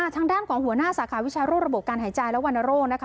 ทางด้านของหัวหน้าสาขาวิชารวดระบบการหายใจและวนโรค